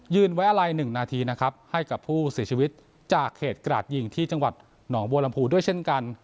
ไว้อะไร๑นาทีนะครับให้กับผู้เสียชีวิตจากเหตุกราดยิงที่จังหวัดหนองบัวลำพูด้วยเช่นกัน